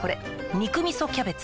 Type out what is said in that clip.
「肉みそキャベツ」